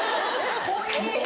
濃い！